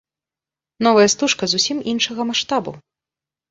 Новая стужка зусім іншага маштабу.